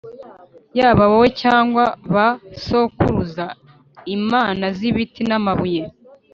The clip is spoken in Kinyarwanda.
yaba wowe cyangwa ba sokuruza, imana z’ibiti n’amabuye